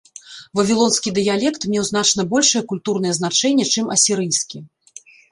Вавілонскі дыялект меў значна большае культурнае значэнне, чым асірыйскі.